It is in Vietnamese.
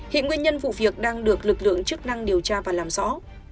hiện nguyên nhân vụ việc đang được lực lượng chức năng điều tra và làm rõ